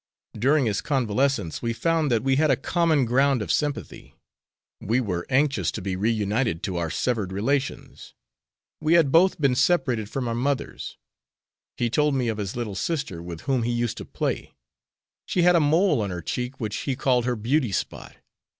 During his convalescence we found that we had a common ground of sympathy. We were anxious to be reunited to our severed relations. We had both been separated from our mothers. He told me of his little sister, with whom he used to play. She had a mole on her cheek which he called her beauty spot.